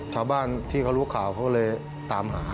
ชาวบ้านที่เขารู้ข่าวเขาเลยตามหา